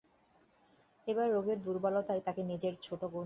এবার রোগের দুর্বলতায় তাকে নিজের ছোটো গণ্ডির মধ্যে বড়ো বেশি করে বন্ধ করেছে।